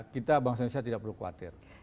kita bangsa indonesia tidak perlu khawatir